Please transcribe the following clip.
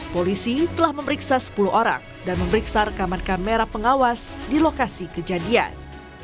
polisi telah memeriksa sepuluh orang dan memeriksa rekaman kamera pengawas di lokasi kejadian